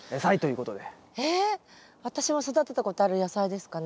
私も育てたことある野菜ですかね？